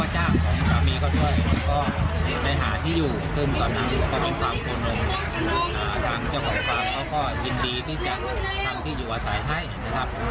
ถ้าในกรณีที่เด็กยังอยู่ในสภาพนี้ก็จำเป็นต้องรับเข้าไปคุ้มครองนะครับ